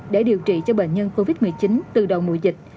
để điều trị cho bệnh nhân covid một mươi chín từ đầu mùa dịch